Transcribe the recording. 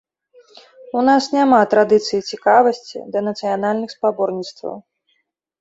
У нас няма традыцыі цікавасці да нацыянальных спаборніцтваў.